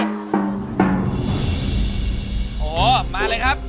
โอ้โหมาเลยครับ